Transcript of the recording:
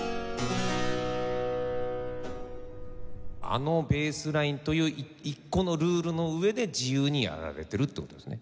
あのベースラインという１個のルールの上で自由にやられてるって事ですね。